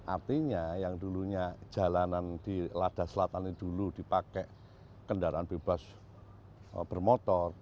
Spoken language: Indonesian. artinya yang dulunya jalanan di lada selatan ini dulu dipakai kendaraan bebas bermotor